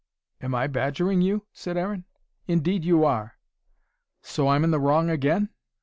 "Am I badgering you?" said Aaron. "Indeed you are." "So I'm in the wrong again?"